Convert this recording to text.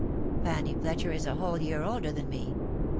Fanny Fletcher is a whole year older than me